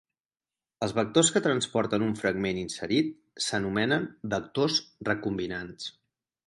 Els vectors que transporten un fragment inserit s'anomenen vectors recombinants.